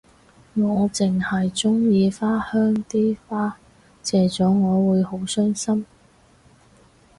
我淨係鍾意花香啲花謝咗我會好傷心